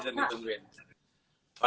kota kotanya suka ngelawak kota apa